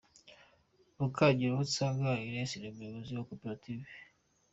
Mukangiruwonsanga Agnes ni umuyobozi wa Koperative I.